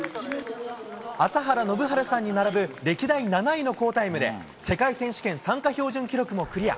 朝原宣治さんに並ぶ、歴代７位の好タイムで、世界選手権参加標準記録もクリア。